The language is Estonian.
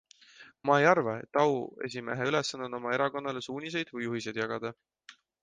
Ma ei arva, et auesimehe ülesanne on oma erakonnale suuniseid või juhiseid jagada.